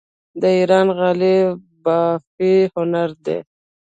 د ایران غالۍ بافي هنر دی.